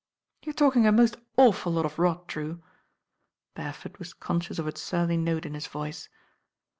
"You are talking a most awful lot of rot. Drew " Beresford was conscious of a surly note in his voice.